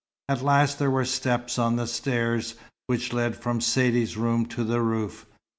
At last there were steps on the stairs which led from Saidee's rooms to the roof.